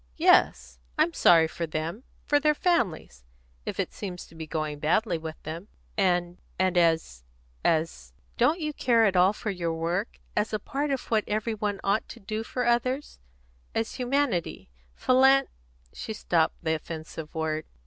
"Yes; I'm sorry for them for their families, if it seems to be going badly with them." "And and as as Don't you care at all for your work as a part of what every one ought to do for others as humanity, philan " She stopped the offensive word.